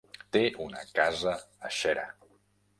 Té una casa a Xera.